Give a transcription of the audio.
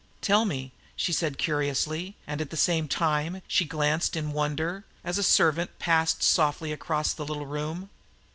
"Tell me," she said curiously, and, at the same time, she glanced in wonder, as a servant passed softly across the little room.